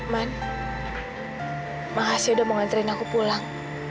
man mak asya udah mau nganterin aku pulang